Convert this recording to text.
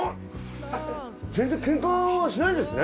全然ケンカはしないですね？